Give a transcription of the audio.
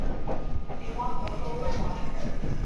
They want the whole body.